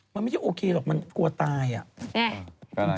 มันไม่ใช่โอเคหรอกมันกลัวตายอ่ะ